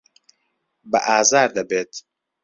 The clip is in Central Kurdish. بە ئازار دەبێت.